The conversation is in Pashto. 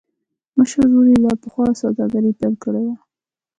مشر ورور يې لا پخوا سوداګري پيل کړې وه.